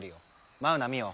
マウナミオ